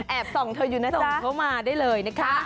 ส่องเธออยู่ในส่งเข้ามาได้เลยนะคะ